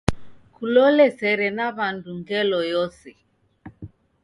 Kulole sere na wandu ngelo yose.